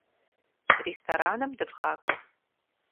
Рестораным дывгъакӏуэ.